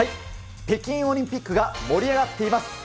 北京オリンピックが盛り上がっています。